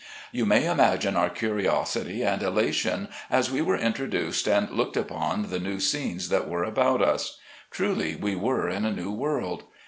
You may imagine our curiosity and elation as we were introduced and looked upon the new scenes that were about us. Truly we were in a new world.